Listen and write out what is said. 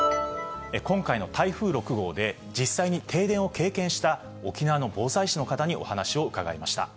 今回の台風６号で、実際に停電を経験した、沖縄の防災士の方にお話を伺いました。